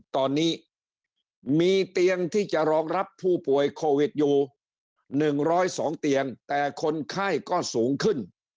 ตอนนี้มีเตียงที่จะรองรับผู้ป่วยโควิดอยู่๑๐๒เตียงแต่คนไข้ก็สูงขึ้น